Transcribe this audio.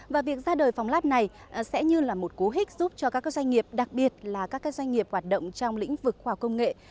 và việc ra đời phòng lab này sẽ như là một cố hích giúp cho các doanh nghiệp đặc biệt là các doanh nghiệp hoạt động trong lĩnh vực khoa học công nghệ